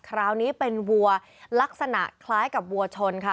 คราวนี้เป็นวัวลักษณะคล้ายกับวัวชนค่ะ